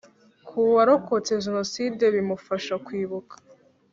Ku warokotse Genocide bimufasha kwibuka